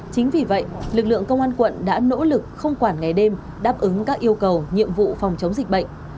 chính vì vậy lực lượng công an quận đã nỗ lực không quản ngày đêm đáp ứng các yêu cầu nhiệm vụ phòng chống dịch bệnh